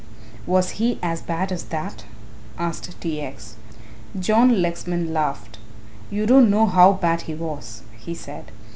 "Was he as bad as that?" asked T. X. John Lexman laughed. "You don't know how bad he was," he said.